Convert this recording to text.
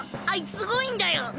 あいつすごいんだよ！